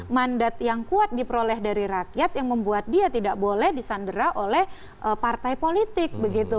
mandat yang kuat diperoleh dari rakyat yang membuat dia tidak boleh disandera oleh partai politik begitu